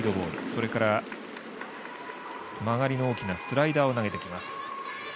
それから曲がりの大きなスライダーを投げてきます。